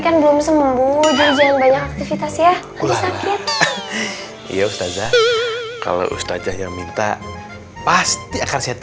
kan belum sembuh jangan banyak aktivitas ya iya kalau ustazah yang minta pasti akan sihat